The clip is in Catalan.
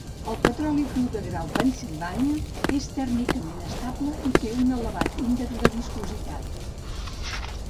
El petroli cru de grau Pennsilvània és tèrmicament estable i té un elevat índex de viscositat.